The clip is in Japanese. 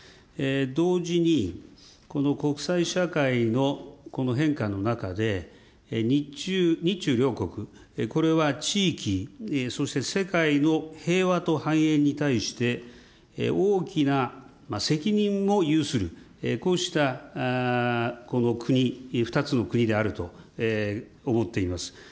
同時に、この国際社会のこの変化の中で、日中両国、これは地域、そして世界の平和と繁栄に対して、大きな責任を有する、こうしたこの国、２つの国であると思っています。